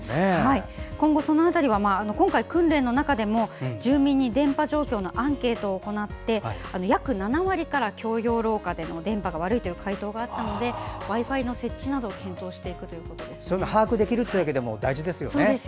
今後、その辺りも今回の訓練でも住民に電波状況のアンケートを行って約７割から共用廊下での電波がよくないという回答があったのでＷｉ‐Ｆｉの設置などを把握できるだけでも大事ですよね。